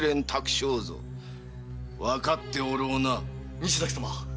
西崎様。